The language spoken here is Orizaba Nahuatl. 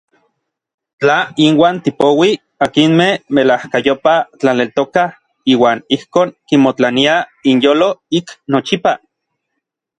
Tla inuan tipouij akinmej melajkayopaj tlaneltokaj iuan ijkon kimotlaniaj inyolo ik nochipa.